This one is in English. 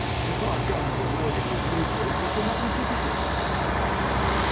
"If our guns are loaded with loopers that will not be difficult," said Pereira.